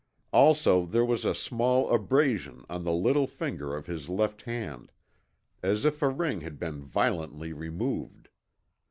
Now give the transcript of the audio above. Also there was a small abrasion on the little finger of his left hand, as if a ring had been violently removed.